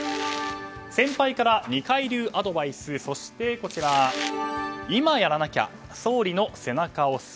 先輩から二階流アドバイスそして、今やらなきゃ総理の背中押す。